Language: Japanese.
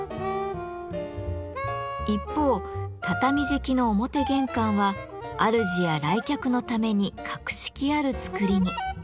一方畳敷きの表玄関はあるじや来客のために格式ある造りに。